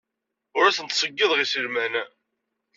Ur asen-d-ttṣeyyideɣ iselman.